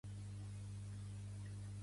Pertany al moviment independentista el Mel?